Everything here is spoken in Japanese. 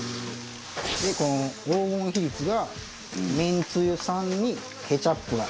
この黄金比率がめんつゆ３にケチャップが１。